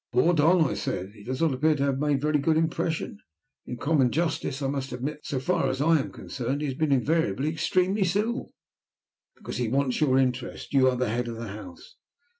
"Poor Don," I said, "he does not appear to have made a very good impression. In common justice I must admit that, so far as I am concerned, he has been invariably extremely civil." "Because he wants your interest. You are the head of the house."